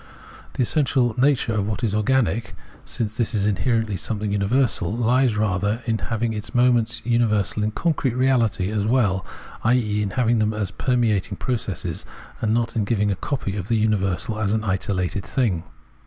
The essential nature of what is organic, since this is in herently something universal, lies rather in having its moments universal in concrete reahty as well, i.e. in having them as permeating processes, and not in giving a copy of the universal in an isolated thing.